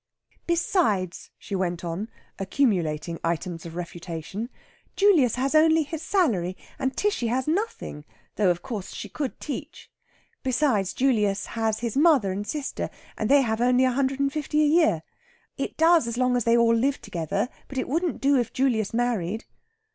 "Besides," she went on, accumulating items of refutation, "Julius has only his salary, and Tishy has nothing though, of course, she could teach. Besides, Julius has his mother and sister, and they have only a hundred and fifty a year. It does as long as they all live together. But it wouldn't do if Julius married."